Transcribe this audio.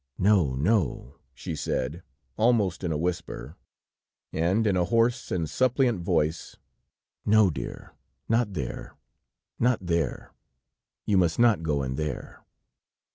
"No, no," she said, almost in a whisper, and in a hoarse and suppliant voice, "no, dear, not there, not there, you must not go in there."